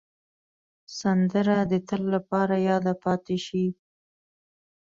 سندره د تل لپاره یاده پاتې شي